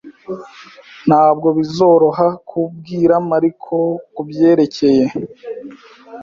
Ntabwo bizoroha kubwira Mariko kubyerekeye.